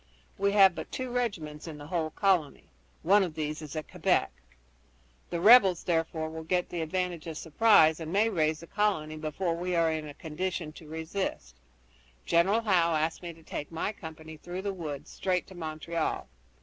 We have but two regiments in the whole colony. One of these is at Quebec. The rebels, therefore, will get the advantage of surprise, and may raise the colony before we are in a condition to resist. General Howe asked me to take my company through the woods straight to Montreal.